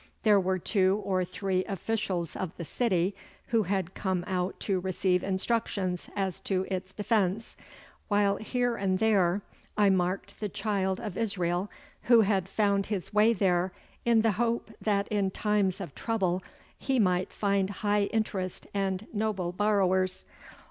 There were two or three officials of the city, who had come out to receive instructions as to its defence, while here and there I marked the child of Israel, who had found his way there in the hope that in times of trouble he might find high interest and noble borrowers.